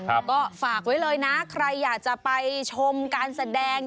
ก็ฝากไว้เลยนะใครอยากจะไปชมการแสดง